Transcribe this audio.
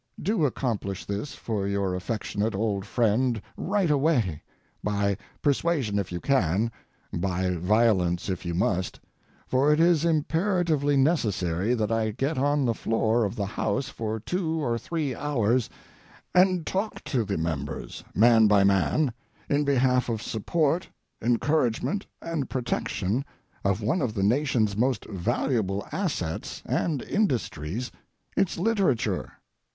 Do accomplish this for your affectionate old friend right away by persuasion if you can, by violence if you must, for it is imperatively necessary that I get on the floor of the House for two or three hours and talk to the members, man by man, in behalf of support, encouragement, and protection of one of the nation's most valuable assets and industries its literature.